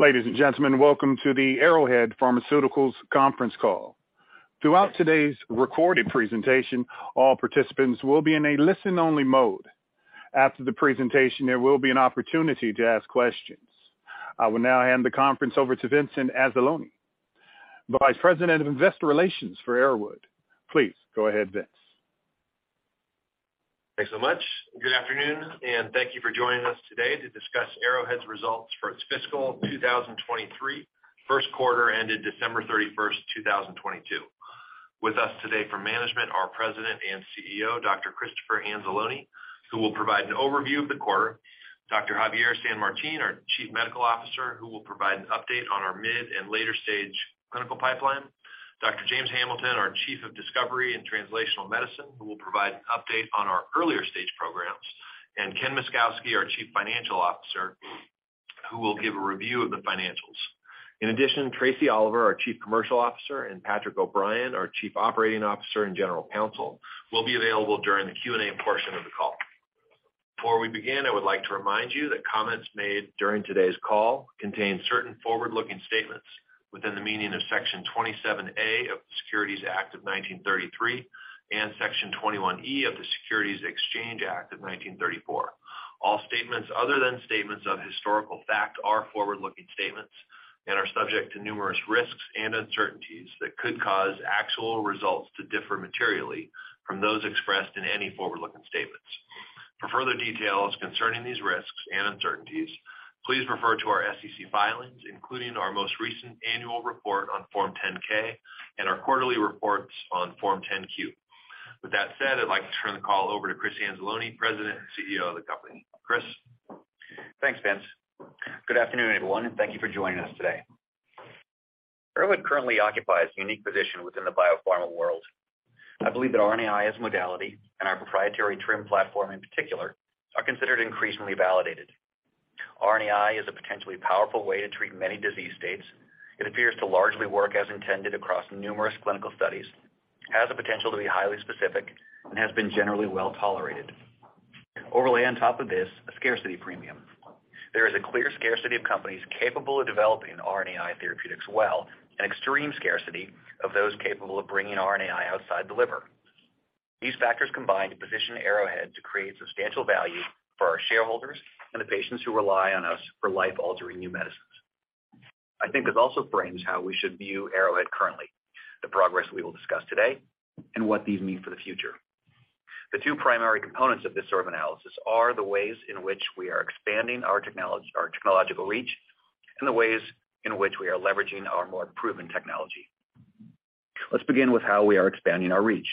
Ladies and gentlemen, welcome to the Arrowhead Pharmaceuticals conference call. Throughout today's recorded presentation, all participants will be in a listen-only mode. After the presentation, there will be an opportunity to ask questions. I will now hand the conference over to Vincent Anzalone, Vice President of Investor Relations for Arrowhead. Please go ahead, Vince. Thanks so much. Good afternoon, thank you for joining us today to discuss Arrowhead's results for its fiscal 2023 Q1 ended December thirty-first, 2022. With us today from management, our President and CEO, Dr. Christopher Anzalone, who will provide an overview of the quarter, Dr. Javier San Martin, our Chief Medical Officer, who will provide an update on our mid and later-stage clinical pipeline, Dr. James Hamilton, our Chief of Discovery and Translational Medicine, who will provide an update on our earlier-stage programs, and Ken Myszkowski, our Chief Financial Officer, who will give a review of the financials. In addition, Tracie Oliver, our Chief Commercial Officer, and Patrick O'Brien, our Chief Operating Officer and General Counsel, will be available during the Q&A portion of the call. Before we begin, I would like to remind you that comments made during today's call contain certain forward-looking statements within the meaning of Section 27A of the Securities Act of 1933 and Section 21E of the Securities Exchange Act of 1934. All statements other than statements of historical fact are forward-looking statements and are subject to numerous risks and uncertainties that could cause actual results to differ materially from those expressed in any forward-looking statements. For further details concerning these risks and uncertainties, please refer to our SEC filings, including our most recent annual report on Form 10-K and our quarterly reports on Form 10-Q. With that said, I'd like to turn the call over to Chris Anzalone, President and CEO of the company. Chris. Thanks, Vince. Good afternoon, everyone, and thank you for joining us today. Arrowhead currently occupies a unique position within the biopharma world. I believe that RNAi as a modality and our proprietary TRiM platform in particular, are considered increasingly validated. RNAi is a potentially powerful way to treat many disease states. It appears to largely work as intended across numerous clinical studies, has the potential to be highly specific, and has been generally well-tolerated. Overlay on top of this a scarcity premium. There is a clear scarcity of companies capable of developing RNAi therapeutics well, and extreme scarcity of those capable of bringing RNAi outside the liver. These factors combine to position Arrowhead to create substantial value for our shareholders and the patients who rely on us for life-altering new medicines. I think this also frames how we should view Arrowhead currently, the progress we will discuss today, and what these mean for the future. The two primary components of this sort of analysis are the ways in which we are expanding our technological reach and the ways in which we are leveraging our more proven technology. Let's begin with how we are expanding our reach.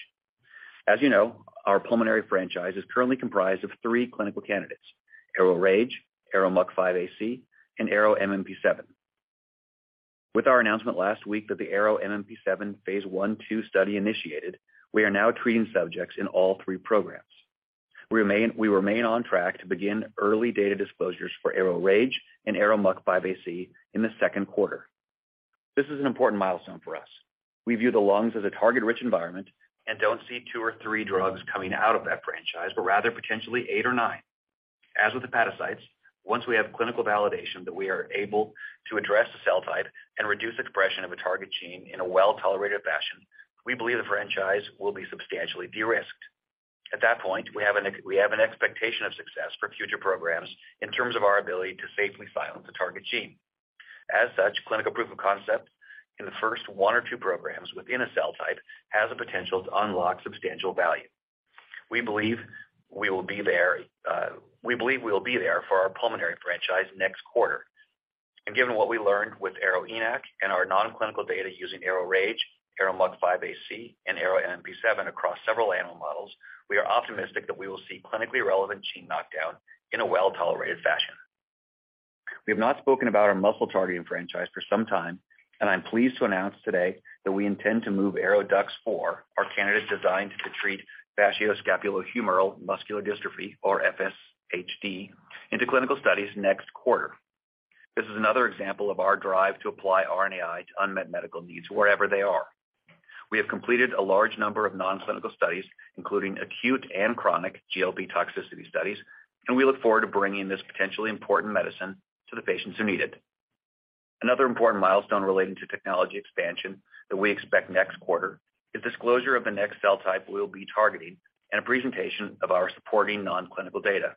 As you know, our pulmonary franchise is currently comprised of three clinical candidates, ARO-RAGE, ARO-MUC5AC, and ARO-MMP7. With our announcement last week that the ARO-MMP7 Phase 1/2 study initiated, we are now treating subjects in all three programs. We remain on track to begin early data disclosures for ARO-RAGE and ARO-MUC5AC in the Q2. This is an important milestone for us. We view the lungs as a target-rich environment and don't see two or three drugs coming out of that franchise, but rather potentially eight or nine. As with hepatocytes, once we have clinical validation that we are able to address the cell type and reduce expression of a target gene in a well-tolerated fashion, we believe the franchise will be substantially de-risked. At that point, we have an expectation of success for future programs in terms of our ability to safely silence a target gene. As such, clinical proof of concept in the first one or two programs within a cell type has the potential to unlock substantial value. We believe we will be there, we believe we will be there for our pulmonary franchise next quarter. Given what we learned with ARO-ENaC and our non-clinical data using ARO-RAGE, ARO-MUC5AC, and ARO-MMP7 across several animal models, we are optimistic that we will see clinically relevant gene knockdown in a well-tolerated fashion. We have not spoken about our muscle-targeting franchise for some time, and I'm pleased to announce today that we intend to move ARO-DUX4, our candidate designed to treat facioscapulohumeral muscular dystrophy or FSHD, into clinical studies next quarter. This is another example of our drive to apply RNAi to unmet medical needs wherever they are. We have completed a large number of non-clinical studies, including acute and chronic GLP toxicity studies, we look forward to bringing this potentially important medicine to the patients who need it. Another important milestone relating to technology expansion that we expect next quarter is disclosure of the next cell type we'll be targeting and a presentation of our supporting non-clinical data.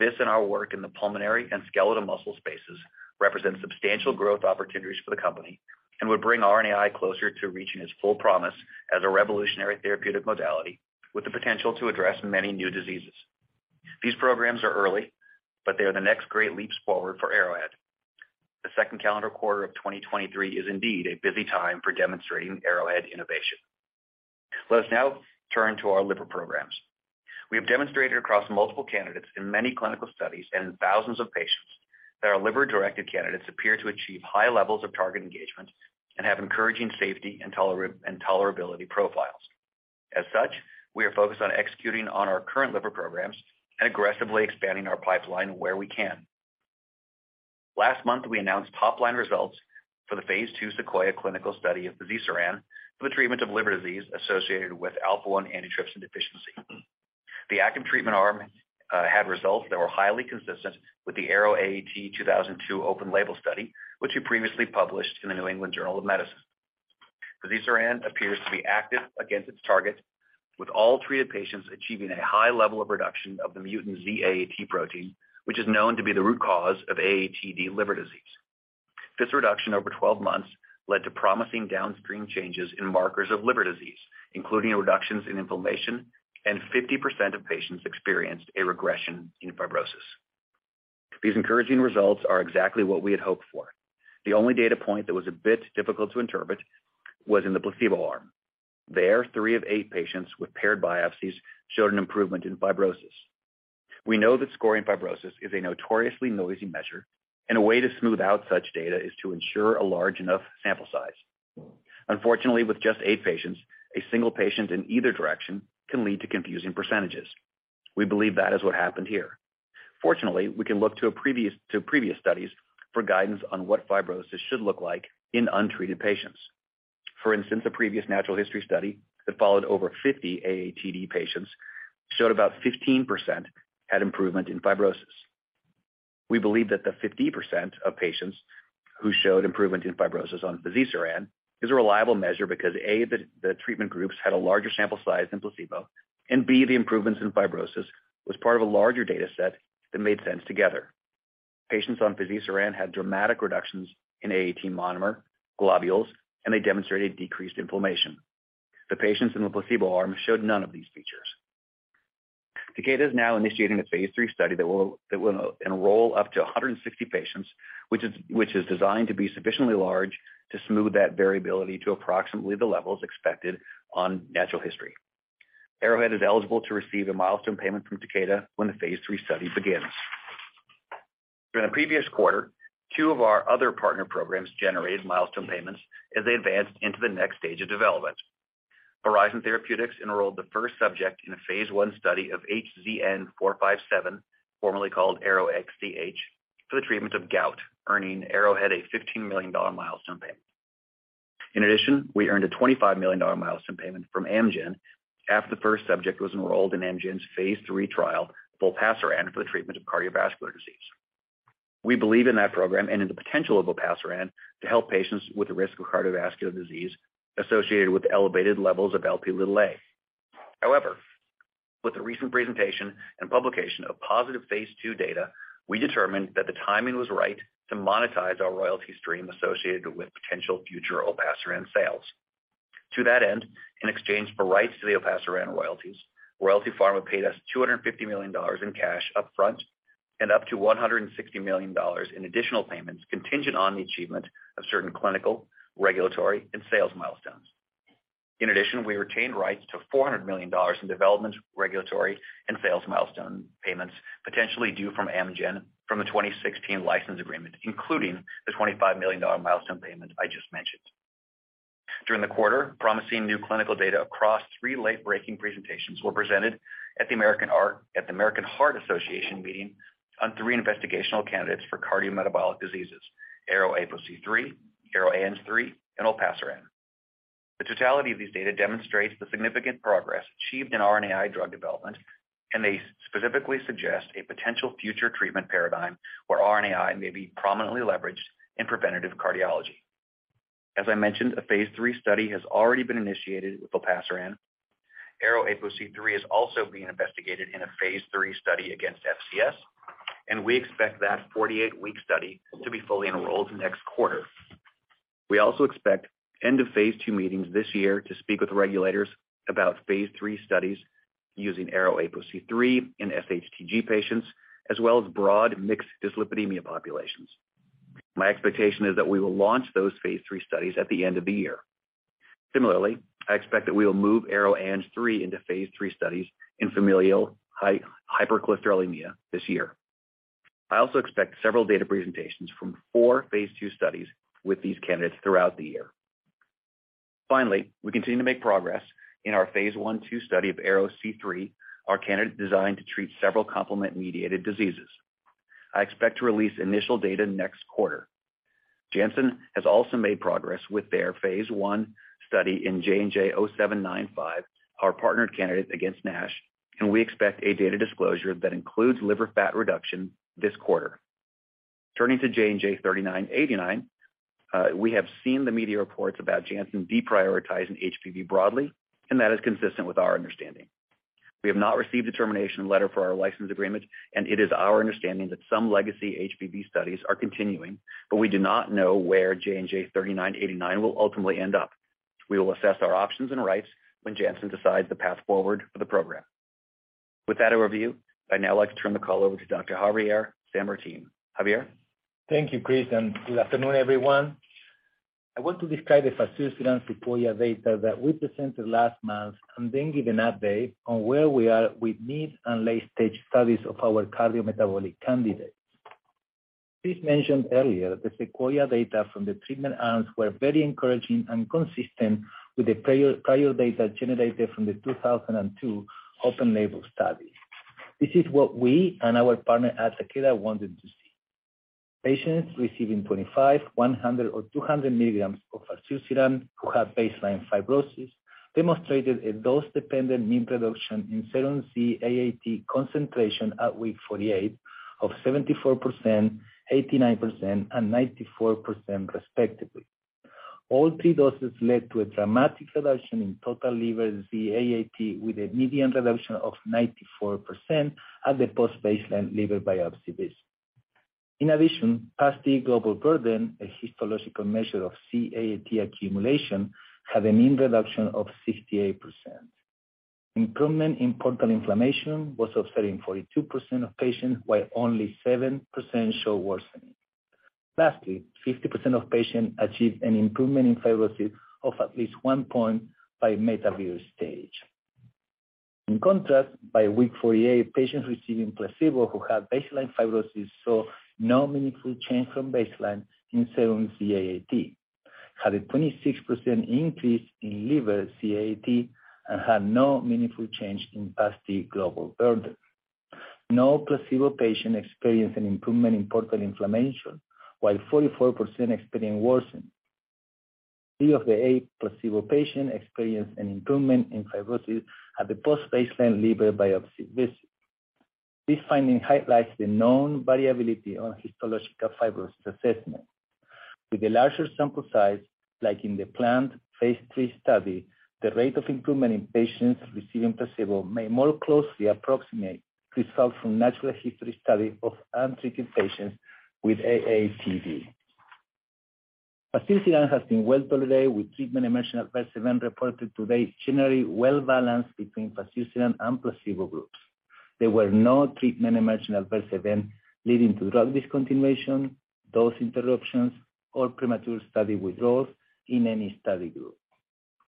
This and our work in the pulmonary and skeletal muscle spaces represent substantial growth opportunities for the company and would bring RNAi closer to reaching its full promise as a revolutionary therapeutic modality with the potential to address many new diseases. These programs are early, but they are the next great leaps forward for Arrowhead. The second calendar quarter of 2023 is indeed a busy time for demonstrating Arrowhead innovation. Let us now turn to our liver programs. We have demonstrated across multiple candidates in many clinical studies and in thousands of patients that our liver-directed candidates appear to achieve high levels of target engagement and have encouraging safety and tolerability profiles. As such, we are focused on executing on our current liver programs and aggressively expanding our pipeline where we can. Last month, we announced top-line results for the Phase 2 SEQUOIA clinical study of fazirsiran for the treatment of liver disease associated with alpha-1 antitrypsin deficiency. The active treatment arm had results that were highly consistent with the ARO-AAT 2002 open label study, which we previously published in the New England Journal of Medicine. fazirsiran appears to be active against its target, with all treated patients achieving a high level of reduction of the mutant Z-AAT protein, which is known to be the root cause of AATD liver disease. This reduction over 12 months led to promising downstream changes in markers of liver disease, including reductions in inflammation, and 50% of patients experienced a regression in fibrosis. These encouraging results are exactly what we had hoped for. The only data point that was a bit difficult to interpret was in the placebo arm. There, three of eight patients with paired biopsies showed an improvement in fibrosis. We know that scoring fibrosis is a notoriously noisy measure. A way to smooth out such data is to ensure a large enough sample size. Unfortunately, with just eight patients, a single patient in either direction can lead to confusing percentages. We believe that is what happened here. Fortunately, we can look to previous studies for guidance on what fibrosis should look like in untreated patients. For instance, a previous natural history study that followed over 50 AATD patients showed about 15% had improvement in fibrosis. We believe that the 50% of patients who showed improvement in fibrosis on fazirsiran is a reliable measure because, A, the treatment groups had a larger sample size than placebo. B, the improvements in fibrosis was part of a larger data set that made sense together. Patients on fazirsiran had dramatic reductions in AAT monomer, globules, and they demonstrated decreased inflammation. The patients in the placebo arm showed none of these features. Takeda is now initiating a phase III study that will enroll up to 160 patients, which is designed to be sufficiently large to smooth that variability to approximately the levels expected on natural history. Arrowhead is eligible to receive a milestone payment from Takeda when the phase III study begins. During the previous quarter, two of our other partner programs generated milestone payments as they advanced into the next stage of development. Horizon Therapeutics enrolled the first subject in a phase I study of HZN-457, formerly called ARO-XDH, for the treatment of gout, earning Arrowhead a $15 million milestone payment. We earned a $25 million milestone payment from Amgen after the first subject was enrolled in Amgen's phase III trial, Olpasiran, for the treatment of cardiovascular disease. We believe in that program and in the potential of Olpasiran to help patients with the risk of cardiovascular disease associated with elevated levels of Lp(a). With the recent presentation and publication of positive phase II data, we determined that the timing was right to monetize our royalty stream associated with potential future Olpasiran sales. To that end, in exchange for rights to the Olpasiran royalties, Royalty Pharma paid us $250 million in cash upfront and up to $160 million in additional payments contingent on the achievement of certain clinical, regulatory, and sales milestones. In addition, we retained rights to $400 million in development, regulatory, and sales milestone payments potentially due from Amgen from the 2016 license agreement, including the $25 million milestone payment I just mentioned. During the quarter, promising new clinical data across three late-breaking presentations were presented at the American Heart Association meeting on three investigational candidates for cardiometabolic diseases, ARO-APOC3, ARO-ANG3, and Olpasiran. The totality of these data demonstrates the significant progress achieved in RNAi drug development, and they specifically suggest a potential future treatment paradigm where RNAi may be prominently leveraged in preventative cardiology. As I mentioned, a phase III study has already been initiated with Olpasiran. ARO-APOC3 is also being investigated in a phase III study against FCS, and we expect that 48-week study to be fully enrolled next quarter. We also expect end of phase II meetings this year to speak with regulators about phase III studies using ARO-APOC3 in SHTG patients as well as broad mixed dyslipidemia populations. My expectation is that we will launch those phase III studies at the end of the year. Similarly, I expect that we will move ARO-ANG3 into phase III studies in familial hypercholesterolemia this year. I also expect several data presentations from four phase II studies with these candidates throughout the year. Finally, we continue to make progress in our phase I/II study of ARO-C3, our candidate designed to treat several complement-mediated diseases. I expect to release initial data next quarter. Janssen has also made progress with their phase I study in JNJ-75220795, our partnered candidate against NASH, we expect a data disclosure that includes liver fat reduction this quarter. Turning to JNJ-3989, we have seen the media reports about Janssen deprioritizing HBV broadly, that is consistent with our understanding. We have not received a termination letter for our license agreement, it is our understanding that some legacy HBV studies are continuing, we do not know where JNJ-3989 will ultimately end up. We will assess our options and rights when Janssen decides the path forward for the program. With that overview, I'd now like to turn the call over to Dr. Javier San Martin. Javier. Thank you, Chris. Good afternoon, everyone. I want to describe the fazirsiran SEQUOIA data that we presented last month and then give an update on where we are with mid- and late-stage studies of our cardiometabolic candidates. Chris mentioned earlier the SEQUOIA data from the treatment arms were very encouraging and consistent with the prior data generated from the 2002 open label study. This is what we and our partner at Takeda wanted to see. Patients receiving 25, 100, or 200 milligrams of fazirsiran who have baseline fibrosis demonstrated a dose-dependent mean reduction in serum Z-AAT concentration at week 48 of 74%, 89%, and 94% respectively. All three doses led to a dramatic reduction in total liver Z-AAT with a median reduction of 94% at the post-baseline liver biopsy visit. PAS-D global burden, a histological measure of Z-AAT accumulation, had a mean reduction of 68%. Improvement in portal inflammation was observed in 42% of patients, while only 7% show worsening. 50% of patients achieved an improvement in fibrosis of at least one point by METAVIR stage. By week 48, patients receiving placebo who had baseline fibrosis saw no meaningful change from baseline in serum Z-AAT, had a 26% increase in liver Z-AAT, and had no meaningful change in PAS-D global burden. No placebo patient experienced an improvement in portal inflammation, while 44% experienced worsening. Three of the eight placebo patients experienced an improvement in fibrosis at the post-baseline liver biopsy visit. This finding highlights the known variability on histological fibrosis assessment. With a larger sample size, like in the planned phase III study, the rate of improvement in patients receiving placebo may more closely approximate results from natural history study of untreated patients with AATD. fazirsiran has been well-tolerated, with treatment-emergent adverse events reported today generally well-balanced between fazirsiran and placebo groups. There were no treatment-emergent adverse events leading to drug discontinuation, dose interruptions, or premature study withdrawals in any study group.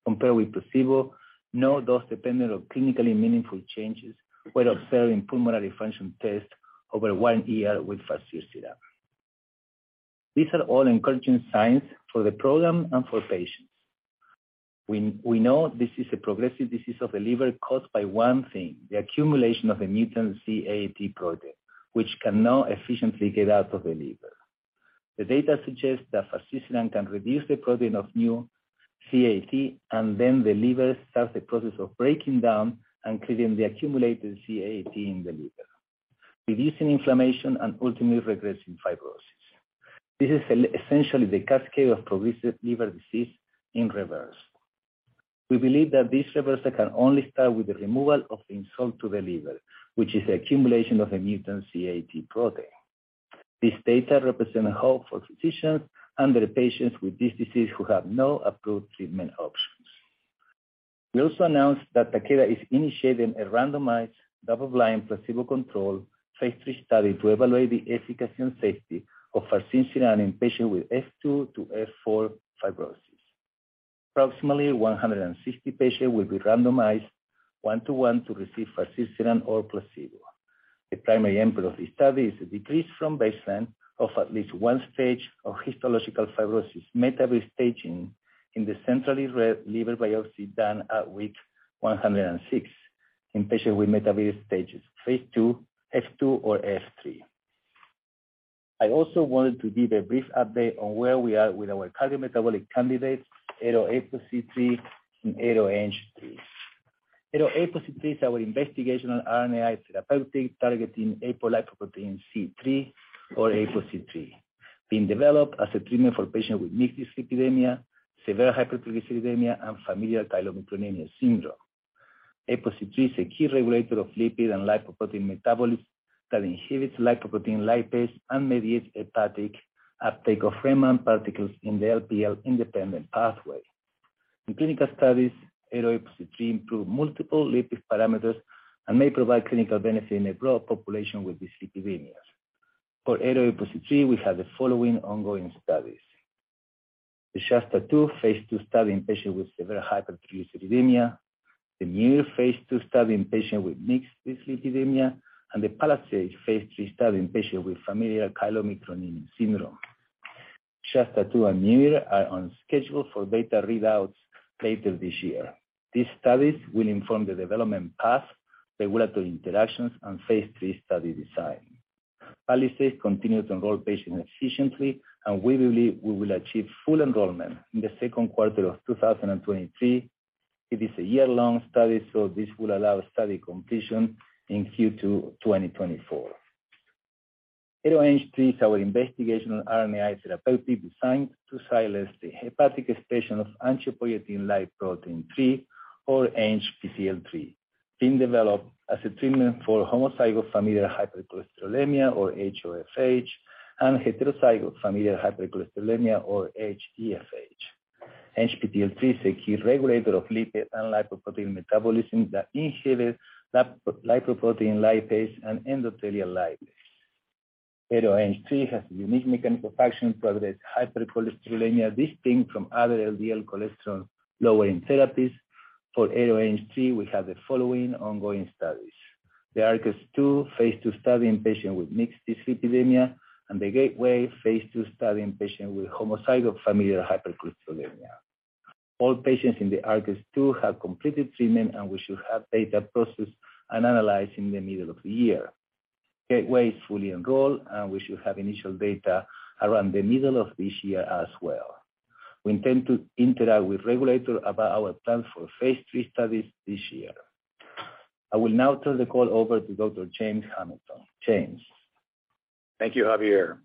Compared with placebo, no dose-dependent or clinically meaningful changes were observed in pulmonary function tests over one year with fazirsiran. These are all encouraging signs for the program and for patients. We know this is a progressive disease of the liver caused by one thing, the accumulation of a mutant Z-AAT protein, which cannot efficiently get out of the liver. The data suggests that fazirsiran can reduce the protein of new Z-AAT, and then the liver starts the process of breaking down and clearing the accumulated Z-AAT in the liver, reducing inflammation and ultimately regressing fibrosis. This is essentially the cascade of progressive liver disease in reverse. We believe that this reversal can only start with the removal of the insult to the liver, which is the accumulation of a mutant Z-AAT protein. This data represents a hope for physicians and their patients with this disease who have no approved treatment options. We also announced that Takeda is initiating a randomized double-blind placebo-controlled phase III study to evaluate the efficacy and safety of fazirsiran in patients with F2 to F4 fibrosis. Approximately 160 patients will be randomized 1-to-1 to receive fazirsiran or placebo. The primary endpoint of the study is a decrease from baseline of at least one stage of histological fibrosis METAVIR staging in the centrally liver biopsy done at week 106 in patients with METAVIR stages phase II, F2 or F3. I also wanted to give a brief update on where we are with our cardiometabolic candidates, ARO-APOC3 and ARO-ANG3. ARO-APOC3 is our investigational RNA therapeutic targeting apolipoprotein C-III or APOC3, being developed as a treatment for patients with mixed dyslipidemia, severe hypertriglyceridemia, and familial chylomicronemia syndrome. APOC3 is a key regulator of lipid and lipoprotein metabolism that inhibits lipoprotein lipase and mediates hepatic uptake of remnant particles in the LPL-independent pathway. In clinical studies, ARO-APOC3 improved multiple lipid parameters and may provide clinical benefit in a broad population with dyslipidemias. For ARO-APOC3, we have the following ongoing studies. The SHASTA-2 phase II study in patients with severe hypertriglyceridemia, the MUIR phase II study in patients with mixed dyslipidemia, and the PALISADE phase III study in patients with familial chylomicronemia syndrome. SHASTA-2 and MUIR are on schedule for data readouts later this year. These studies will inform the development path, regulatory interactions, and phase III study design. PALISADE continues to enroll patients efficiently, and we believe we will achieve full enrollment in the Q2 of 2023. It is a year-long study, so this will allow study completion in Q2 2024. ARO-ANG3 is our investigational RNAi therapeutic designed to silence the hepatic expression of angiopoietin-like protein 3 or ANGPTL3, being developed as a treatment for homozygous familial hypercholesterolemia or HoFH and heterozygous familial hypercholesterolemia or HeFH. ANGPTL3 is a key regulator of lipid and lipoprotein metabolism that inhibits lipoprotein lipase and endothelial lipase. ARO-ANG3 has a unique mechanism of action progress hypercholesterolemia, distinct from other LDL cholesterol-lowering therapies. For ARO-ANG3, we have the following ongoing studies. The ARCHES-2 phase II study in patients with mixed dyslipidemia and the GATEWAY phase II study in patients with homozygous familial hypercholesterolemia. All patients in the ARCHES-2 have completed treatment, and we should have data processed and analyzed in the middle of the year. GATEWAY is fully enrolled, and we should have initial data around the middle of this year as well. We intend to interact with regulator about our plans for phase III studies this year. I will now turn the call over to Dr. James Hamilton. James. Thank you, Javier.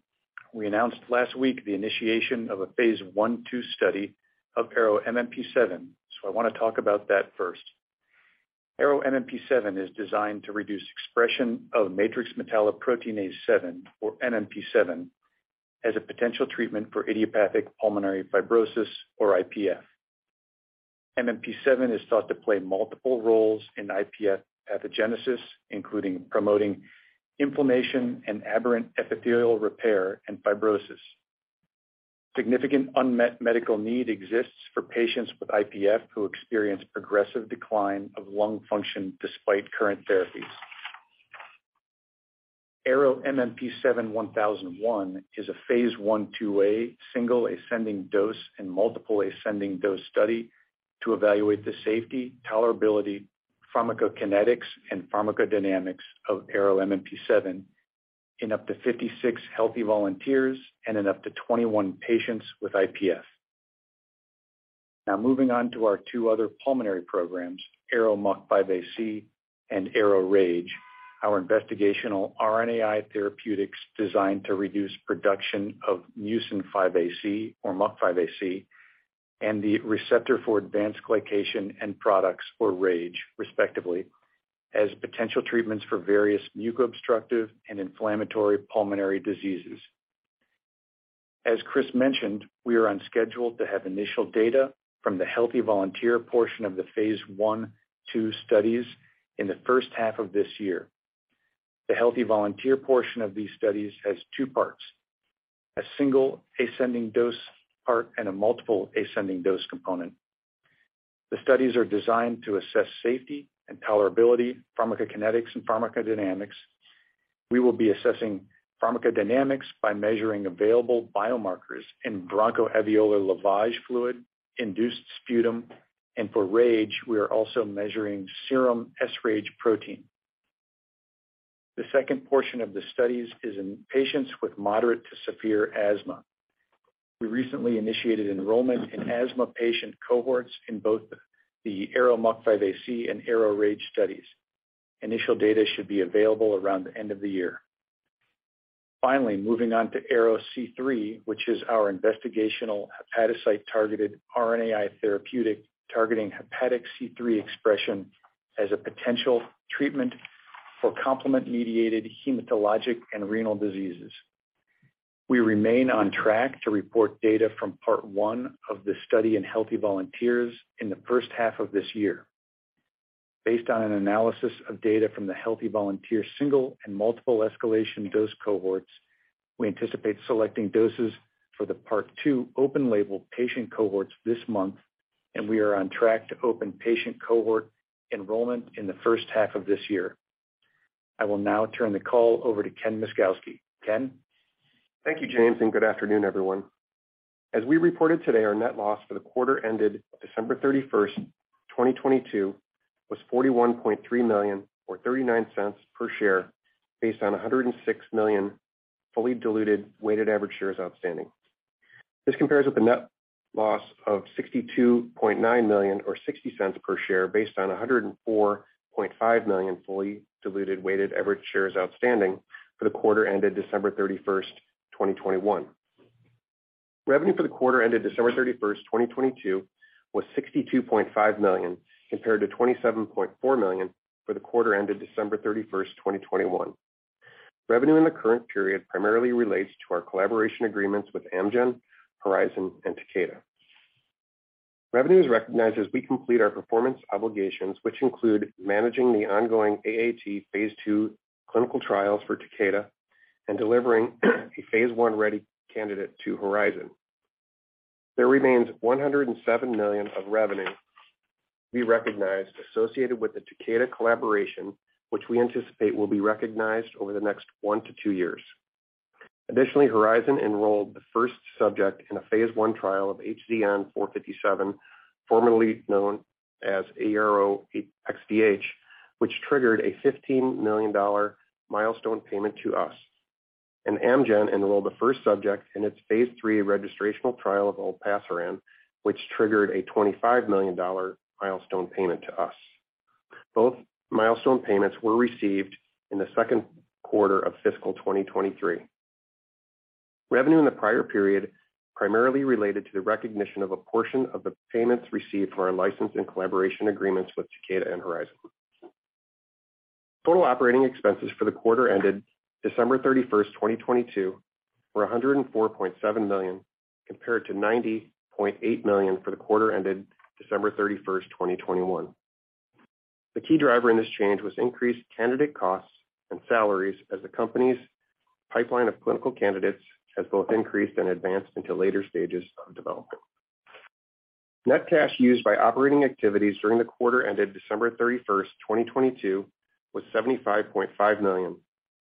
We announced last week the initiation of a phase I/II study of ARO-MMP7. I wanna talk about that first. ARO-MMP7 is designed to reduce expression of matrix metalloproteinase 7, or MMP7, as a potential treatment for idiopathic pulmonary fibrosis, or IPF. MMP7 is thought to play multiple roles in IPF pathogenesis, including promoting inflammation and aberrant epithelial repair and fibrosis. Significant unmet medical need exists for patients with IPF who experience progressive decline of lung function despite current therapies. AROMMP7-1001 is a phase I/IIa, single ascending dose and multiple ascending dose study to evaluate the safety, tolerability, pharmacokinetics, and pharmacodynamics of ARO-MMP7 in up to 56 healthy volunteers and in up to 21 patients with IPF. Moving on to our two other pulmonary programs, ARO-MUC5AC and ARO-RAGE, our investigational RNAi therapeutics designed to reduce production of mucin 5AC, or MUC5AC, and the receptor for advanced glycation end products, or RAGE, respectively, as potential treatments for various muco-obstructive and inflammatory pulmonary diseases. As Chris mentioned, we are on schedule to have initial data from the healthy volunteer portion of the phase I/II studies in the H1 of this year. The healthy volunteer portion of these studies has two parts, a single ascending dose part and a multiple ascending dose component. The studies are designed to assess safety and tolerability, pharmacokinetics and pharmacodynamics. We will be assessing pharmacodynamics by measuring available biomarkers in bronchoalveolar lavage fluid, induced sputum, and for RAGE, we are also measuring serum sRAGE protein. The second portion of the studies is in patients with moderate to severe asthma. We recently initiated enrollment in asthma patient cohorts in both the ARO-MUC5AC and ARO-RAGE studies. Initial data should be available around the end of the year. Moving on to ARO-C3, which is our investigational hepatocyte-targeted RNAi therapeutic targeting hepatic C3 expression as a potential treatment for complement-mediated hematologic and renal diseases. We remain on track to report data from part one of the study in healthy volunteers in the H1 of this year. Based on an analysis of data from the healthy volunteer single and multiple escalation dose cohorts, we anticipate selecting doses for the part two open label patient cohorts this month, and we are on track to open patient cohort enrollment in the H1 of this year. I will now turn the call over to Ken Myszkowski. Ken? Thank you, James. Good afternoon, everyone. As we reported today, our net loss for the quarter ended December 31st, 2022 was $41.3 million, or $0.39 per share based on 106 million fully diluted weighted average shares outstanding. This compares with the net loss of $62.9 million or $0.60 per share based on 104.5 million fully diluted weighted average shares outstanding for the quarter ended December 31st, 2021. Revenue for the quarter ended December 31st, 2022 was $62.5 million, compared to $27.4 million for the quarter ended December 31st, 2021. Revenue in the current period primarily relates to our collaboration agreements with Amgen, Horizon, and Takeda. Revenue is recognized as we complete our performance obligations, which include managing the ongoing AAT phase II clinical trials for Takeda and delivering a phase I-ready candidate to Horizon. There remains $107 million of revenue to be recognized associated with the Takeda collaboration, which we anticipate will be recognized over the next one to two years. Horizon enrolled the first subject in a phase I trial of HZN-457, formerly known as ARO-XDH, which triggered a $15 million milestone payment to us. Amgen enrolled the first subject in its phase III registrational trial of Olpasiran, which triggered a $25 million milestone payment to us. Both milestone payments were received in the Q2 of fiscal 2023. Revenue in the prior period primarily related to the recognition of a portion of the payments received for our license and collaboration agreements with Takeda and Horizon. Total operating expenses for the quarter ended December 31st, 2022 were $104.7 million, compared to $90.8 million for the quarter ended December 31st, 2021. The key driver in this change was increased candidate costs and salaries as the company's pipeline of clinical candidates has both increased and advanced into later stages of development. Net cash used by operating activities during the quarter ended December 31st, 2022 was $75.5 million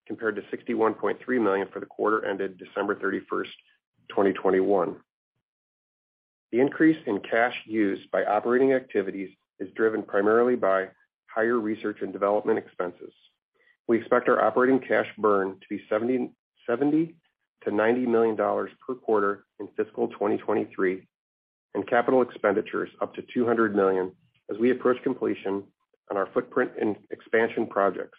compared to $61.3 million for the quarter ended December 31st, 2021. The increase in cash used by operating activities is driven primarily by higher research and development expenses. We expect our operating cash burn to be $70 million-$90 million per quarter in fiscal 2023 and capital expenditures up to $200 million as we approach completion on our footprint and expansion projects,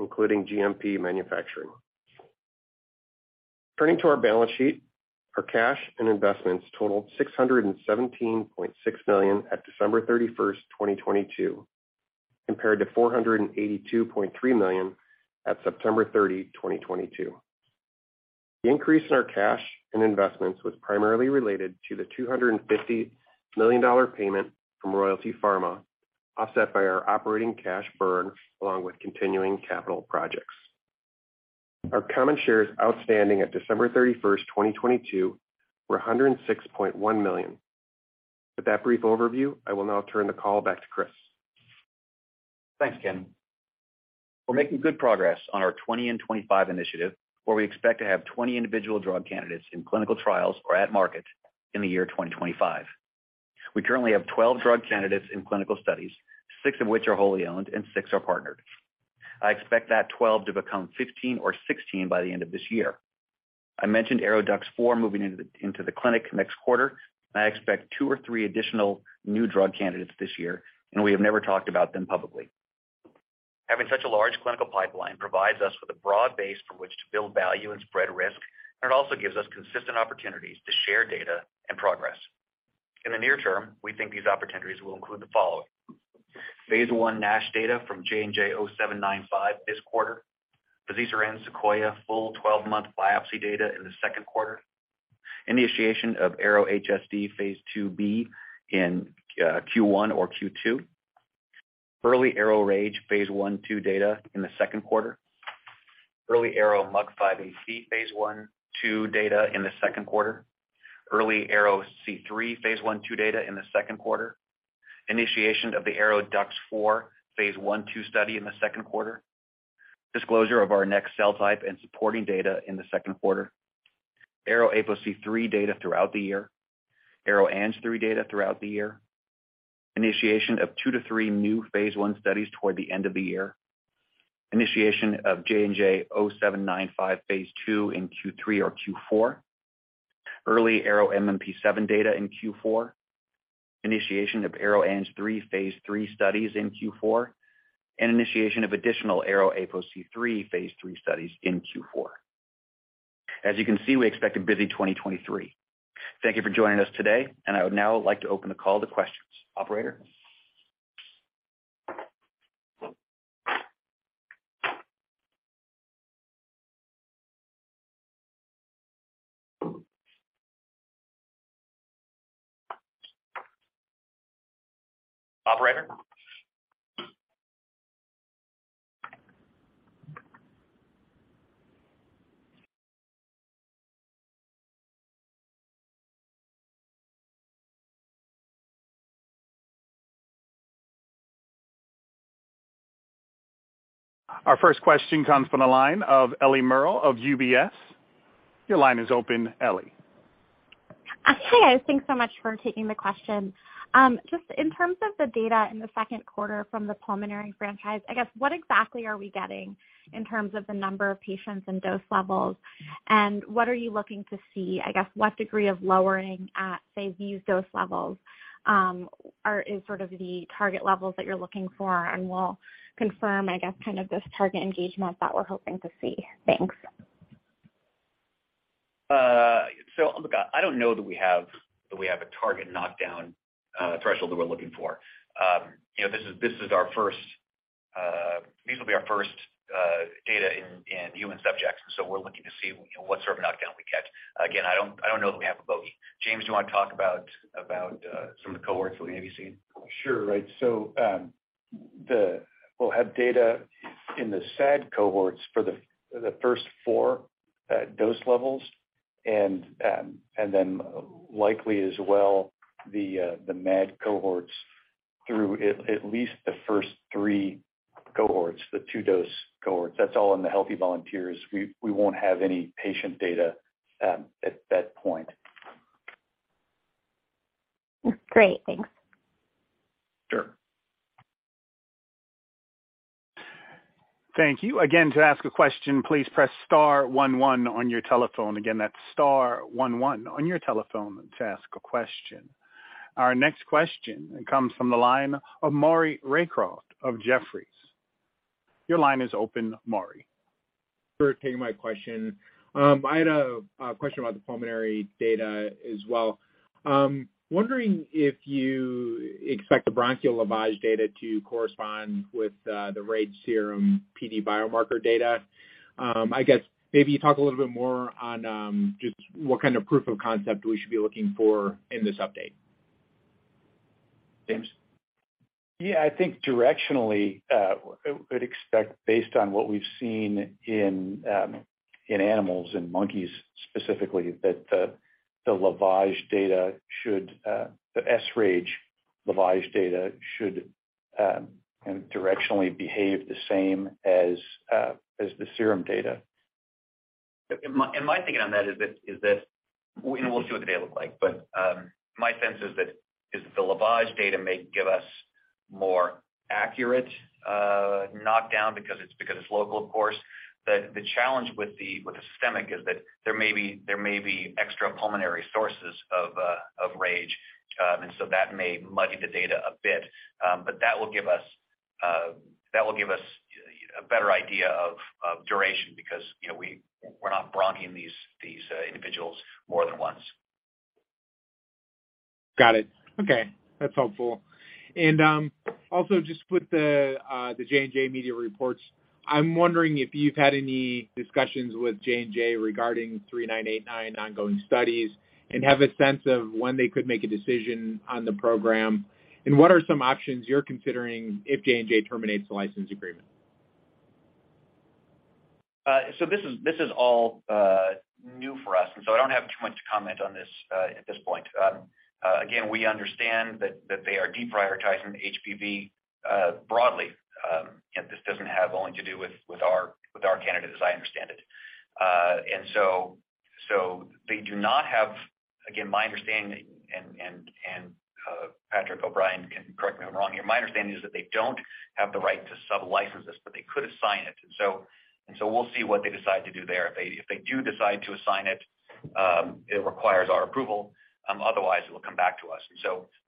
including GMP manufacturing. Turning to our balance sheet, our cash and investments totaled $617.6 million at December 31st, 2022, compared to $482.3 million at September 30th, 2022. The increase in our cash and investments was primarily related to the $250 million payment from Royalty Pharma, offset by our operating cash burn along with continuing capital projects. Our common shares outstanding at December 31st, 2022, were 106.1 million. With that brief overview, I will now turn the call back to Chris. Thanks, Ken. We're making good progress on our 20 in '25 initiative, where we expect to have 20 individual drug candidates in clinical trials or at market in the year 2025. We currently have 12 drug candidates in clinical studies, six of which are wholly owned and six are partnered. I expect that 12 to become 15 or 16 by the end of this year. I mentioned ARO-DUX4 moving into the clinic next quarter. I expect two or three additional new drug candidates this year. We have never talked about them publicly. Having such a large clinical pipeline provides us with a broad base from which to build value and spread risk. It also gives us consistent opportunities to share data and progress. In the near term, we think these opportunities will include the following: phase I NASH data from J&J-0795 this quarter. fazirsiran SEQUOIA full 12-month biopsy data in the Q2. Initiation of ARO-HSD phase IIb in Q1 or Q2. Early ARO-RAGE phase I/II data in the Q2. Early ARO-MUC5AC phase I/II data in the Q2. Early ARO-C3 phase I/II data in the Q2. Initiation of the ARO-DUX4 phase I/II study in the Q2. Disclosure of our next cell type and supporting data in the Q2. ARO-APOC3 data throughout the year. ARO-ANG3 data throughout the year. Initiation of two to three new phase I studies toward the end of the year. Initiation of JNJ-75220795 phase II in Q3 or Q4. Early ARO-MMP7 data in Q4. Initiation of ARO-ANG3 phase III studies in Q4. Initiation of additional ARO-APOC3 phase III studies in Q4. As you can see, we expect a busy 2023. Thank you for joining us today, and I would now like to open the call to questions. Operator? Operator? Our first question comes from the line of Eliana Merle of UBS. Your line is open, Ellie. Hi. Thanks so much for taking the question. Just in terms of the data in the Q2 from the pulmonary franchise, I guess, what exactly are we getting in terms of the number of patients and dose levels? And what are you looking to see? I guess, what degree of lowering at, say, these dose levels, is sort of the target levels that you're looking for and will confirm, I guess, kind of this target engagement that we're hoping to see? Thanks. Look, I don't know that we have a target knockdown, threshold that we're looking for. You know, this is our first, these will be our first, data in human subjects, we're looking to see what sort of knockdown we get. Again, I don't know that we have a bogey. James, do you wanna talk about some of the cohorts that we may be seeing? Sure. Right. We'll have data in the SAD cohorts for the first four dose levels and then likely as well the MAD cohorts through at least the first three cohorts, the two-dose cohorts. That's all in the healthy volunteers. We won't have any patient data at that point. Great. Thanks. Sure. Thank you. Again, to ask a question, please press star one one on your telephone. Again, that's star one one on your telephone to ask a question. Our next question comes from the line of Maury Raycroft of Jefferies. Your line is open, Maury. Thanks for taking my question. I had a question about the pulmonary data as well. Wondering if you expect the bronchial lavage data to correspond with the RAGE serum PD biomarker data. I guess maybe talk a little bit more on just what kind of proof of concept we should be looking for in this update. James? Yeah. I think directionally, I would expect based on what we've seen in animals, in monkeys specifically, that the sRAGE lavage data should. Directionally behave the same as the serum data. My take on that is that, you know, we'll see what the data look like, but my sense is that the lavage data may give us more accurate knockdown because it's local, of course. The challenge with the systemic is that there may be extra pulmonary sources of RAGE, and so that may muddy the data a bit. That will give us a better idea of duration because, you know, we're not bronching these individuals more than once. Got it. Okay. That's helpful. Also just with the J&J media reports, I'm wondering if you've had any discussions with J&J regarding JNJ-3989 ongoing studies and have a sense of when they could make a decision on the program. What are some options you're considering if J&J terminates the license agreement? This is all new for us, I don't have too much to comment on this at this point. Again, we understand that they are deprioritizing HBV broadly. You know, this doesn't have only to do with our candidate, as I understand it. They do not have... Again, my understanding and Patrick O'Brien can correct me if I'm wrong here. My understanding is that they don't have the right to sublicense this, but they could assign it. We'll see what they decide to do there. If they do decide to assign it requires our approval, otherwise it will come back to us.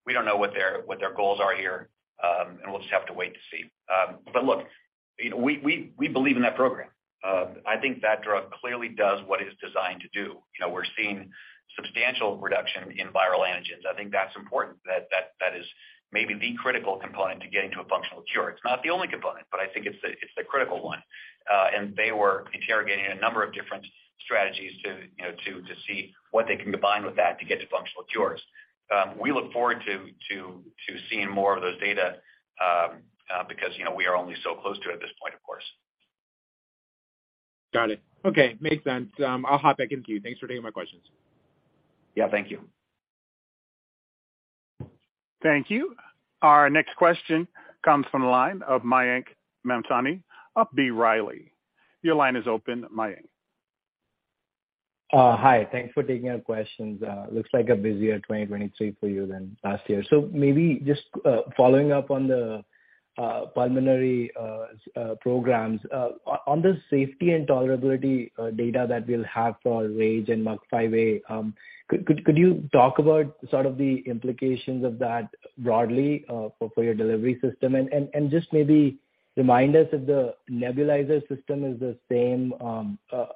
We don't know what their, what their goals are here, and we'll just have to wait to see. Look, you know, we, we believe in that program. I think that drug clearly does what it's designed to do. You know, we're seeing substantial reduction in viral antigens. I think that's important. That is maybe the critical component to getting to a functional cure. It's not the only component, but I think it's the, it's the critical one. They were interrogating a number of different strategies to, you know, to see what they can combine with that to get to functional cures. We look forward to seeing more of those data because, you know, we are only so close to it at this point, of course. Got it. Okay. Makes sense. I'll hop back in with you. Thanks for taking my questions. Yeah, thank you. Thank you. Our next question comes from the line of Mayank Mamtani of B. Riley. Your line is open, Mayank. Hi. Thanks for taking our questions. Looks like a busier 2023 for you than last year. Maybe just following up on the pulmonary programs. On the safety and tolerability data that we'll have for RAGE and MUC5A, could you talk about sort of the implications of that broadly for your delivery system? Just maybe remind us if the nebulizer system is the same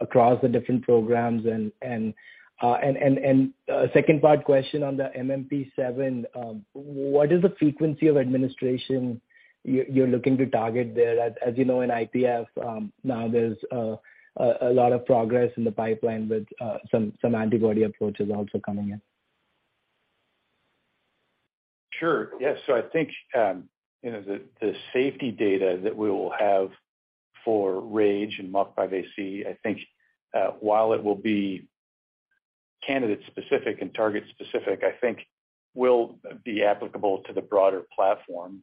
across the different programs. A second part question on the MMP7, what is the frequency of administration you're looking to target there? As you know, in IPF, now there's a lot of progress in the pipeline with some antibody approaches also coming in. Sure. Yes. I think, you know, the safety data that we will have for RAGE and MUC5AC, I think, while it will be candidate specific and target specific, I think will be applicable to the broader platform,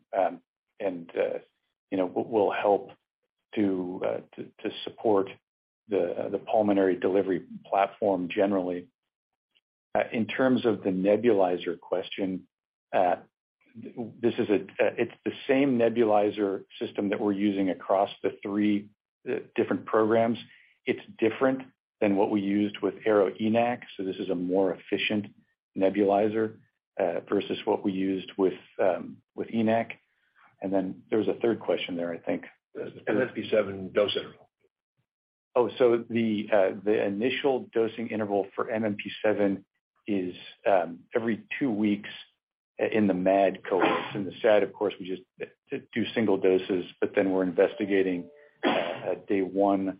and, you know, will help to support the pulmonary delivery platform generally. In terms of the nebulizer question, It's the same nebulizer system that we're using across the three, different programs. It's different than what we used with ARO-ENaC, so this is a more efficient nebulizer, versus what we used with ENaC. There was a third question there, I think. MMP7 dose interval. The initial dosing interval for MMP7 is every two weeks in the MAD cohorts. In the SAD, of course, we just do single doses, we're investigating day one,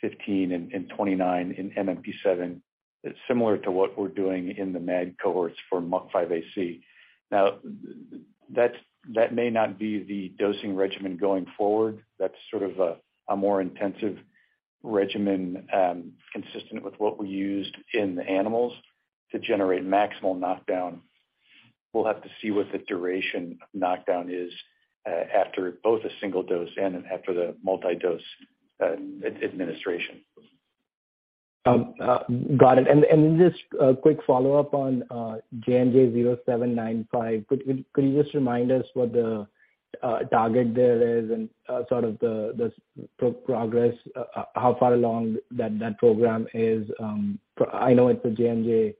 15 and 29 in MMP7. It's similar to what we're doing in the MAD cohorts for MUC5AC. That may not be the dosing regimen going forward. That's sort of a more intensive regimen, consistent with what we used in the animals to generate maximal knockdown. We'll have to see what the duration of knockdown is after both a single dose and after the multi-dose administration. Got it. Then just a quick follow-up on JNJ-75220795. Could you just remind us what the target there is and sort of the progress, how far along that program is? I know it's a J&J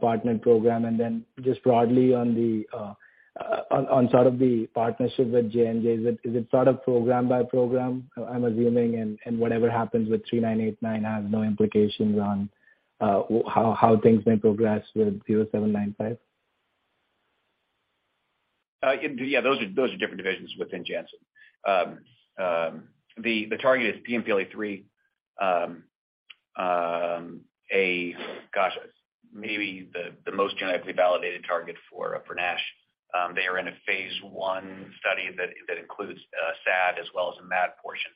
partner program. Then just broadly on the partnership with J&J, is it sort of program by program, I'm assuming, and whatever happens with JNJ-3989 has no implications on how things may progress with JNJ-75220795? Yeah, those are different divisions within Janssen. The target is PNPLA3, maybe the most genetically validated target for NASH. They are in a phase Istudy that includes a SAD as well as a MAD portion.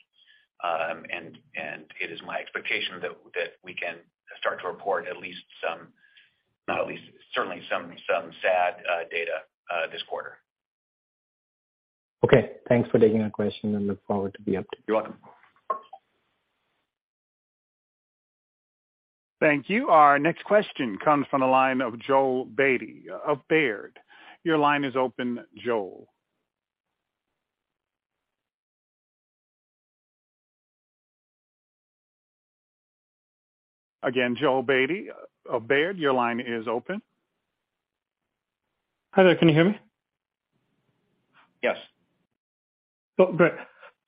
It is my expectation that we can start to report at least certainly some SAD data this quarter. Okay. Thanks for taking our question and look forward to the update. You're welcome. Thank you. Our next question comes from the line of Joel Beatty of Baird. Your line is open, Joel. Again, Joel Beatty of Baird, your line is open. Hi there. Can you hear me? Yes. Great.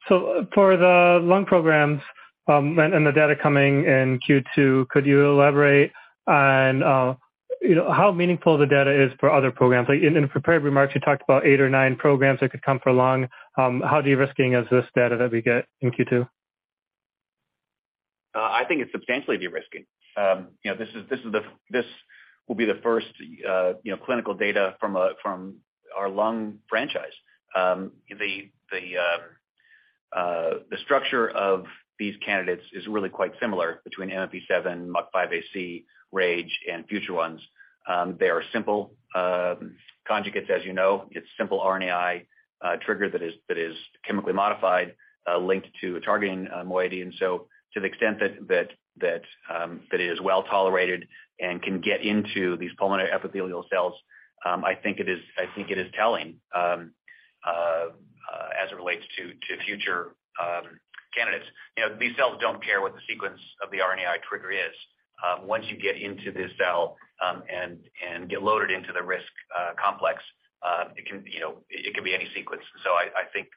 For the lung programs, and the data coming in Q2, could you elaborate on, you know, how meaningful the data is for other programs? In prepared remarks, you talked about eight or nine programs that could come for lung. How de-risking is this data that we get in Q2? I think it's substantially de-risking. You know, this is, this will be the first, you know, clinical data from our lung franchise. The structure of these candidates is really quite similar between MMP7, MUC5AC, RAGE, and future ones. They are simple, conjugates, as you know. It's simple RNAi trigger that is chemically modified, linked to a targeting moiety. To the extent that it is well-tolerated and can get into these pulmonary epithelial cells, I think it is telling as it relates to future candidates. You know, these cells don't care what the sequence of the RNAi trigger is. Once you get into this cell, and get loaded into the RISC complex, it can, you know, it can be any sequence. I think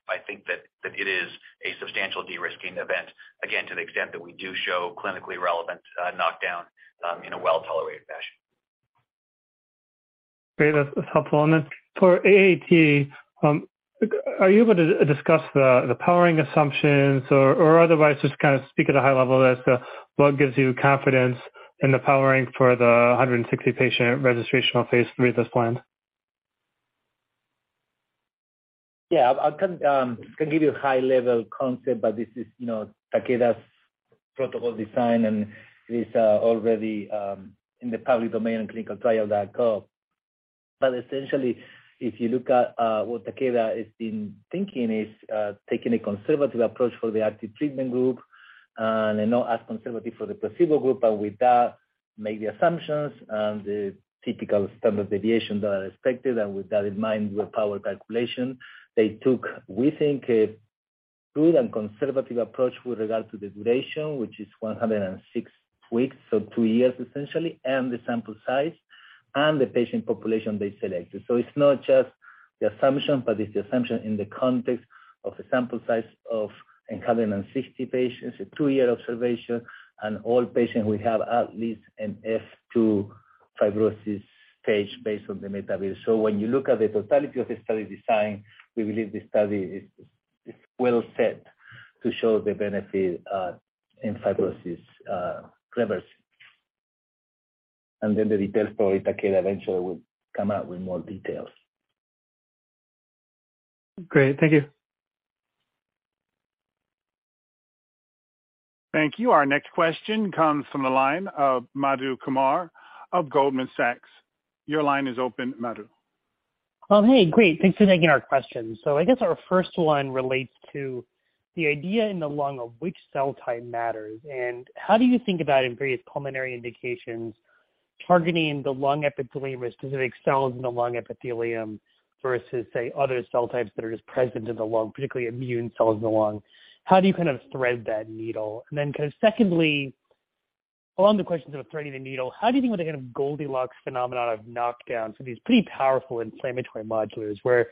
that it is a substantial de-risking event, again, to the extent that we do show clinically relevant, knockdown, in a well-tolerated fashion. Great. That's helpful. For AAT, are you able to discuss the powering assumptions or otherwise just kind of speak at a high level as to what gives you confidence in the powering for the 160 patient registrational phase III that's planned? Yeah. I can give you a high level concept, but this is, you know, Takeda's protocol design, and it is already in the public domain in ClinicalTrials.gov. Essentially, if you look at what Takeda has been thinking is taking a conservative approach for the active treatment group, and then not as conservative for the placebo group, but with that, make the assumptions and the typical standard deviations that are expected, and with that in mind, the power calculation. They took, we think, a prudent conservative approach with regard to the duration, which is 106 weeks, so two years essentially, and the sample size and the patient population they selected. It's not just the assumption, but it's the assumption in the context of the sample size of 160 patients, a two-year observation, and all patients will have at least an F2 fibrosis stage based on the metabolic. When you look at the totality of the study design, we believe the study is well set to show the benefit in fibrosis reversal. The details for Takeda eventually will come out with more details. Great. Thank you. Thank you. Our next question comes from the line of Madhu Kumar of Goldman Sachs. Your line is open, Madhu. Well, hey, great. Thanks for taking our question. I guess our first one relates to the idea in the lung of which cell type matters, and how do you think about in various pulmonary indications targeting the lung epithelium or specific cells in the lung epithelium versus, say, other cell types that are just present in the lung, particularly immune cells in the lung? How do you kind of thread that needle? Secondly, along the questions of threading the needle, how do you think about the kind of Goldilocks phenomenon of knockdown? These pretty powerful inflammatory modulators, where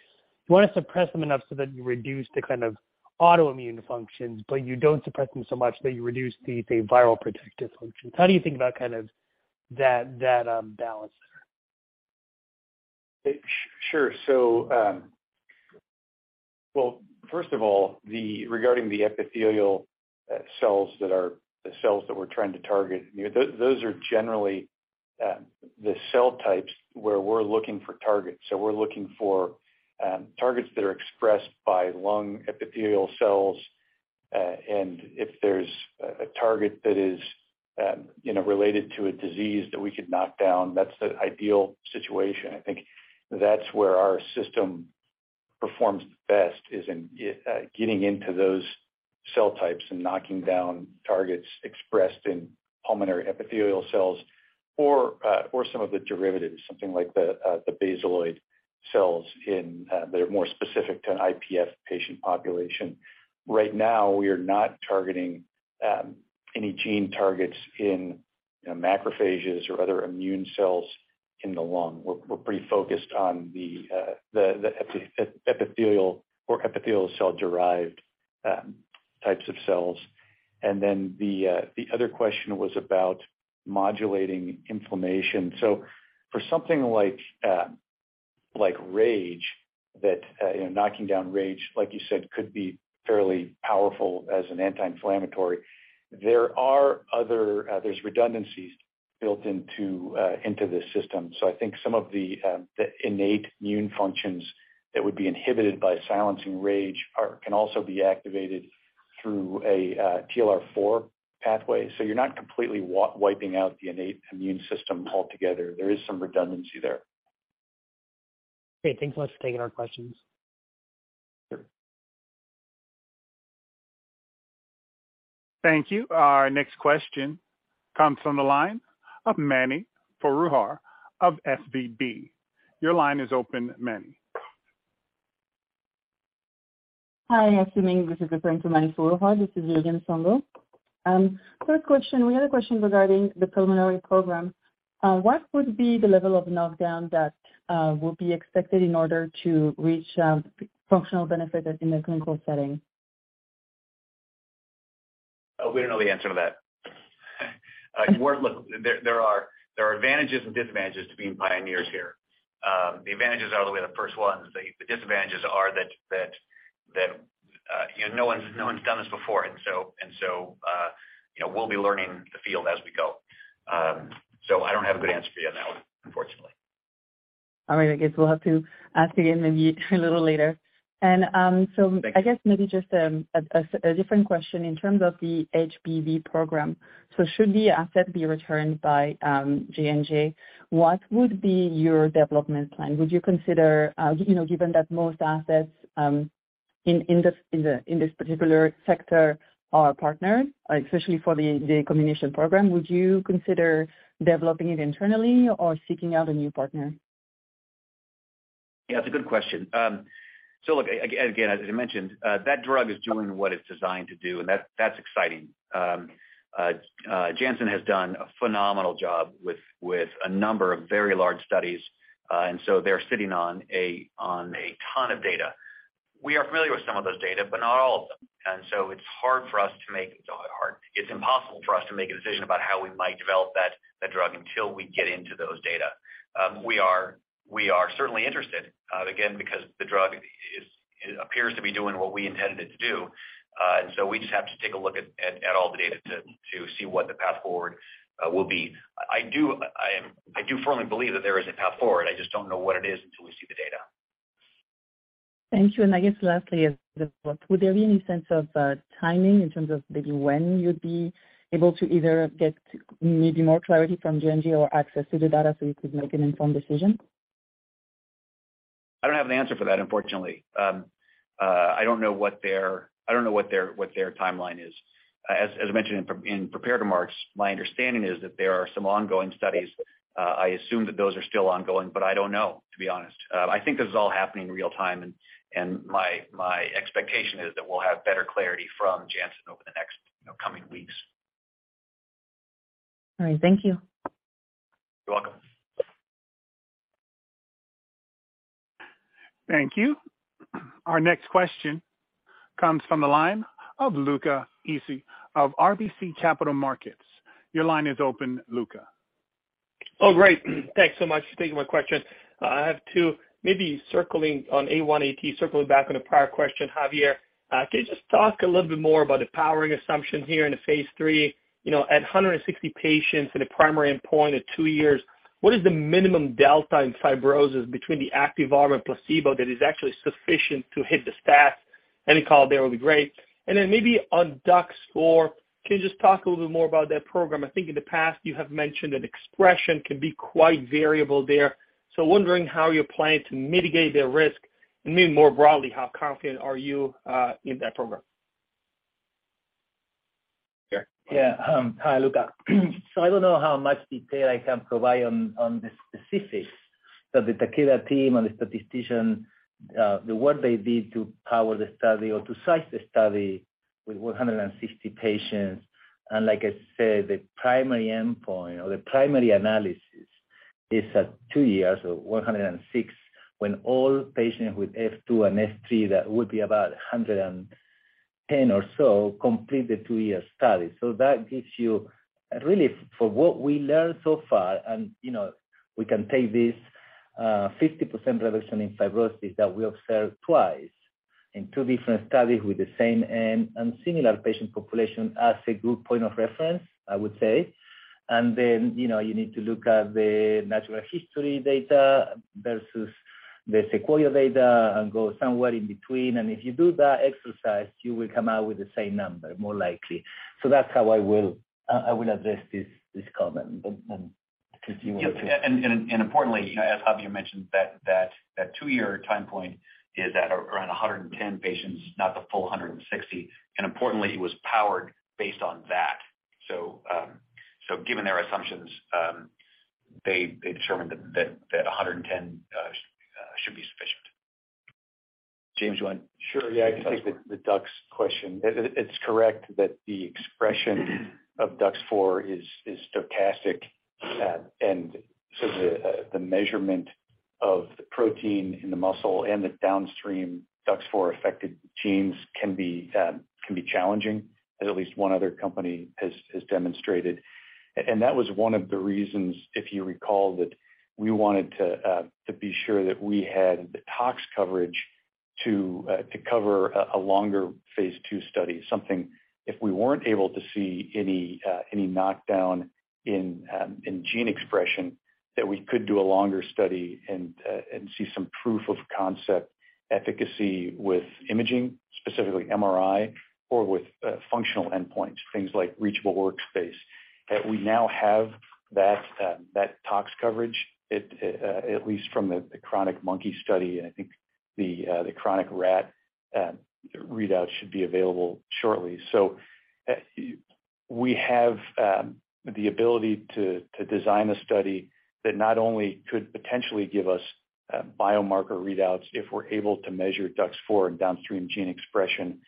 you wanna suppress them enough so that you reduce the kind of autoimmune functions, but you don't suppress them so much that you reduce the viral protective functions. How do you think about kind of that balance there? Sure. Well, first of all, regarding the epithelial cells that are the cells that we're trying to target, you know, those are generally the cell types where we're looking for targets. We're looking for targets that are expressed by lung epithelial cells. If there's a target that is, you know, related to a disease that we could knock down, that's the ideal situation. I think that's where our system performs best, is in getting into those cell types and knocking down targets expressed in pulmonary epithelial cells or some of the derivatives, something like the basaloid cells in that are more specific to an IPF patient population. Right now, we are not targeting any gene targets in, you know, macrophages or other immune cells in the lung. We're pretty focused on the epithelial or epithelial cell-derived types of cells. The other question was about modulating inflammation. For something like RAGE, that, you know, knocking down RAGE, like you said, could be fairly powerful as an anti-inflammatory. There are other, there's redundancies built into the system. I think some of the innate immune functions that would be inhibited by silencing RAGE can also be activated through a TLR4 pathway. You're not completely wiping out the innate immune system altogether. There is some redundancy there. Okay. Thanks so much for taking our questions. Sure. Thank you. Our next question comes from the line of Mani Foroohar of SVB. Your line is open, Mani. Hi, assuming this is referring to Mani Foroohar, this is Vivian Tsang. First question, we had a question regarding the pulmonary program. What would be the level of knockdown that will be expected in order to reach p-functional benefit as in a clinical setting? We don't know the answer to that. Look, there are advantages and disadvantages to being pioneers here. The advantages are that we're the first ones. The disadvantages are that, you know, no one's done this before, and so, you know, we'll be learning the field as we go. I don't have a good answer for you on that one, unfortunately. All right. I guess we'll have to ask again maybe a little later. Thanks. I guess maybe just a different question in terms of the HBV program. Should the asset be returned by J&J, what would be your development plan? Would you consider, you know, given that most assets in this particular sector are partnered, especially for the combination program, would you consider developing it internally or seeking out a new partner? Yeah, it's a good question. Look, again, as I mentioned, that drug is doing what it's designed to do, and that's exciting. Janssen has done a phenomenal job with a number of very large studies. They're sitting on a ton of data. We are familiar with some of those data, but not all of them. It's hard for us to make. It's impossible for us to make a decision about how we might develop that drug until we get into those data. We are certainly interested, again, because the drug is it appears to be doing what we intended it to do. We just have to take a look at all the data to see what the path forward, will be. I do firmly believe that there is a path forward. I just don't know what it is until we see the data. Thank you. I guess lastly, would there be any sense of timing in terms of maybe when you'd be able to either get maybe more clarity from J&J or access to the data so you could make an informed decision? I don't have an answer for that, unfortunately. I don't know what their timeline is. As I mentioned in prepared remarks, my understanding is that there are some ongoing studies. I assume that those are still ongoing, but I don't know, to be honest. I think this is all happening in real time and my expectation is that we'll have better clarity from Janssen over the next, you know, coming weeks. All right. Thank you. You're welcome. Thank you. Our next question comes from the line of Luca Issi of RBC Capital Markets. Your line is open, Luca. Great. Thanks so much for taking my question. I have two. Circling on AAT, circling back on a prior question, Javier. Can you just talk a little bit more about the powering assumption here in the phase III? You know, at 160 patients in the primary endpoint at two years, what is the minimum delta in fibrosis between the active arm and placebo that is actually sufficient to hit the stat? Any color there will be great. On DUX4, can you just talk a little bit more about that program? I think in the past you have mentioned that expression can be quite variable there. Wondering how you're planning to mitigate the risk, and more broadly, how confident are you in that program? Sure. Yeah. Hi, Luca. I don't know how much detail I can provide on the specifics that the Takeda team and the statistician, the work they did to power the study or to size the study with 160 patients. Like I said, the primary endpoint or the primary analysis is at two years, 106, when all patients with F2 and F3, that would be about 110 or so, complete the two-year study. That gives you really, for what we learned so far and, you know, we can take this, 50% reduction in fibrosis that we observed twice in two different studies with the same aim and similar patient population as a good point of reference, I would say. You know, you need to look at the natural history data versus the SEQUOIA data and go somewhere in between. If you do that exercise, you will come out with the same number, more likely. That's how I will address this comment. Yeah. Importantly, as Javier mentioned, that two year time point is at around 110 patients, not the full 160. Importantly, it was powered based on that. Given their assumptions, they determined that 110 should be sufficient. James, Sure, yeah. I can take the DUX question. It's correct that the expression of DUX4 is stochastic, and so the measurement of the protein in the muscle and the downstream DUX4-affected genes can be challenging, as at least one other company has demonstrated. That was one of the reasons, if you recall, that we wanted to be sure that we had the tox coverage to cover a longer phase II study. If we weren't able to see any knockdown in gene expression, that we could do a longer study and see some proof of concept efficacy with imaging, specifically MRI or with functional endpoints, things like reachable workspace. That we now have that tox coverage at least from the chronic monkey study, and I think the chronic rat readout should be available shortly. We have the ability to design a study that not only could potentially give us biomarker readouts if we're able to measure DUX4 and downstream gene expression,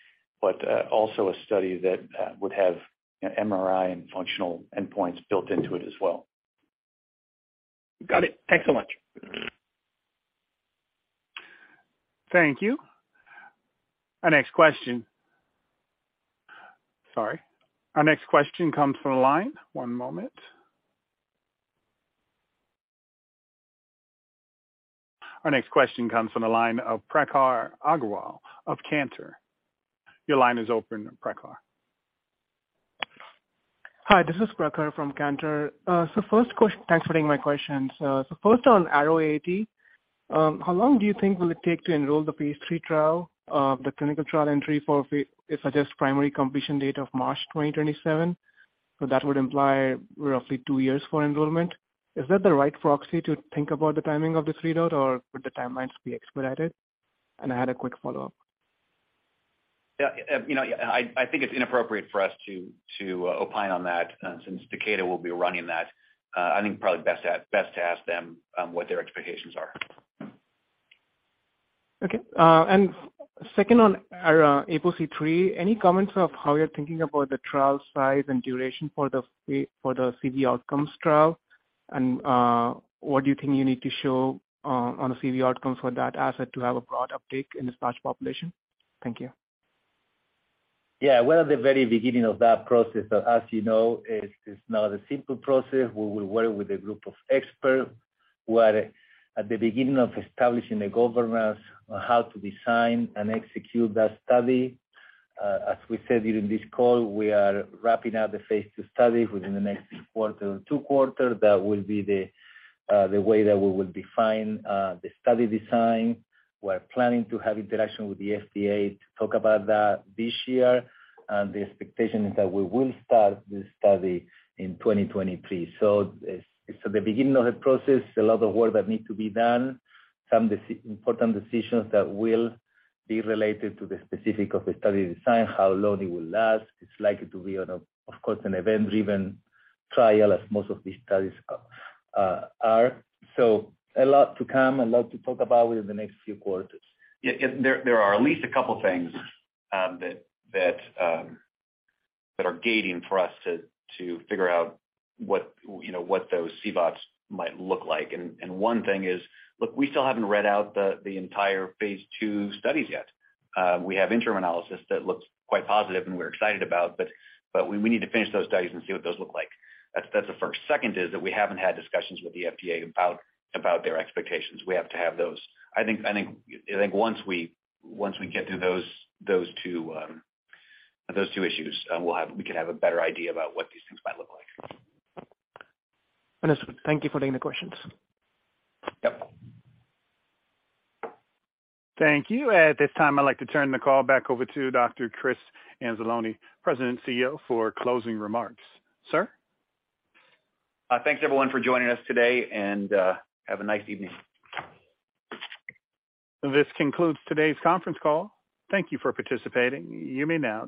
but also a study that would have an MRI and functional endpoints built into it as well. Got it. Thanks so much. Thank you. Our next question. Sorry. Our next question comes from the line. One moment. Our next question comes from the line of Prakhar Agrawal of Cantor. Your line is open, Prakhar. Hi, this is Prakhar from Cantor Fitzgerald. Thanks for taking my questions. First on RO80, how long do you think will it take to enroll the phase III trial, the clinical trial entry for, it suggests primary completion date of March 27th. That would imply roughly two years for enrollment. Is that the right proxy to think about the timing of this readout, or would the timelines be expedited? I had a quick follow-up. Yeah, you know, I think it's inappropriate for us to opine on that, since Takeda will be running that. I think probably best to ask them what their expectations are. Okay. Second on our APOC3. Any comments of how you're thinking about the trial size and duration for the for the CV outcomes trial? What do you think you need to show on the CV outcomes for that asset to have a broad uptake in the NASH population? Thank you. Yeah, we're at the very beginning of that process, but as you know, it's not a simple process. We will work with a group of experts who are at the beginning of establishing a governance on how to design and execute that study. As we said during this call, we are wrapping up the phase II study within the next quarter or two quarters. That will be the way that we will define the study design. We're planning to have interaction with the FDA to talk about that this year. The expectation is that we will start this study in 2023. It's the beginning of a process, a lot of work that need to be done. Some important decisions that will be related to the specific of the study design, how long it will last. It's likely to be on a, of course, an event-driven trial, as most of these studies, are. A lot to come, a lot to talk about within the next few quarters. Yeah. There are at least a couple things that are gating for us to figure out what, you know, what those CBOTS might look like. One thing is, look, we still haven't read out the entire phase II studies yet. We have interim analysis that looks quite positive and we're excited about, but we need to finish those studies and see what those look like. That's the first. Second is that we haven't had discussions with the FDA about their expectations. We have to have those. I think once we get through those two, those two issues, we can have a better idea about what these things might look like. Understood. Thank you for taking the questions. Yep. Thank you. At this time, I'd like to turn the call back over to Dr. Chris Anzalone, President and CEO, for closing remarks. Sir. Thanks everyone for joining us today, and have a nice evening. This concludes today's conference call. Thank you for participating. You may now disconnect.